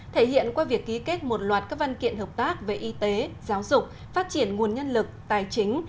thể hiện qua việc ký kết một loạt các văn kiện hợp tác về y tế giáo dục phát triển nguồn nhân lực tài chính